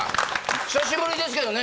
久しぶりですけどね